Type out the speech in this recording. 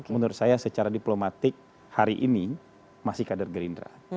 menurut saya secara diplomatik hari ini masih kader gerindra